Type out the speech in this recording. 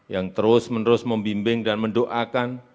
yang terus menerus membimbing dan mendoakan